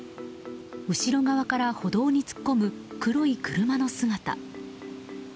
後ろ側から歩道に突っ込む黒い車の姿。